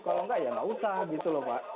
kalau nggak ya nggak usah gitu pak